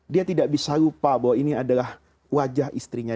dia tidak bisa lupa bahwa ini adalah wajah istrinya